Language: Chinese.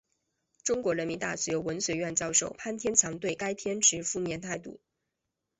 中国人民大学文学院教授潘天强对该片持负面态度。